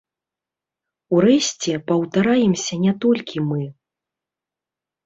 Урэшце, паўтараемся не толькі мы.